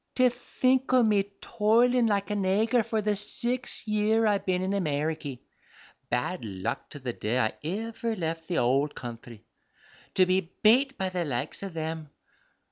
To think o' me toilin' like a nager for the six year I've been in Ameriky bad luck to the day I iver left the owld counthry, to be bate by the likes o' them!